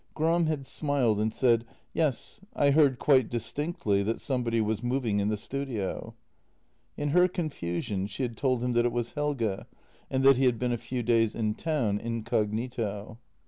Gram had smiled and said: " Yes, I heard quite distinctly that somebody was moving in the studio." In her confusion she had told him that it was Helge, and that he had been a few days in town incognito.